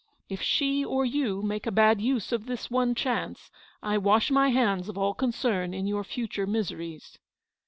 If she or you make a bad use of this one chance, I wash my hands of all concern in your future miseries.